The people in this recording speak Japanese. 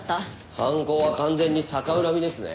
犯行は完全に逆恨みですね。